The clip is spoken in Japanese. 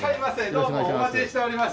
どうもお待ちしておりました。